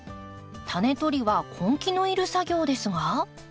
タネとりは根気のいる作業ですが。